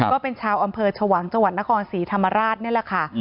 ก็เป็นชาวอำเภอชวังจังหวัดนครศรีธรรมราชนี่แหละค่ะ